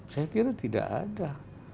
saya kira tidak ada